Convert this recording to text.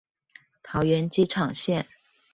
桃園機場線